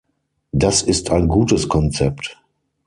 Das ist ein gutes Konzept.